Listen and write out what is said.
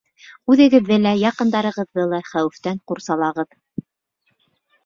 Үҙегеҙҙе лә, яҡындарығыҙҙы ла хәүефтән ҡурсалағыҙ.